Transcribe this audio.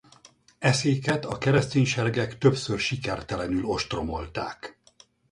Eszéket a keresztény seregek többször sikertelenül ostromolták.